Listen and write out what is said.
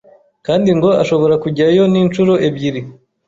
kandi ngo ashobora kujyayo n’inshuro ebyiri